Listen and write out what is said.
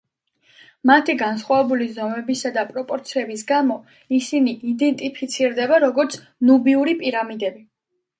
მათი განსხვავებული ზომებისა და პროპორციების გამო, ისინი იდენტიფიცირდება როგორც ნუბიური პირამიდები.